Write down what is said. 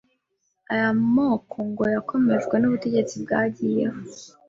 Aya moko ngo yakomejwe n’ubutegetsi bwagiyeho